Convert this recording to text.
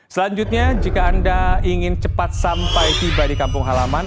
selanjutnya jika anda ingin cepat sampai tiba di kampung halaman